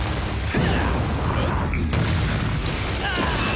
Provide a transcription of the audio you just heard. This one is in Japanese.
フッ！